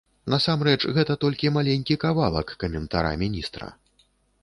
Насамрэч гэта толькі маленькі кавалак каментара міністра.